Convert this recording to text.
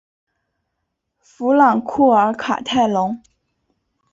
弗朗库尔卡泰隆。